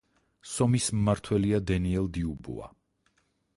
სომის მმართველია დენიელ დიუბუა.